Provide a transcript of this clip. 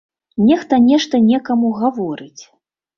Нехта нешта некаму гаворыць.